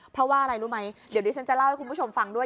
เพราะว่าอะไรรู้ไหมเดี๋ยวดิฉันจะเล่าให้คุณผู้ชมฟังด้วย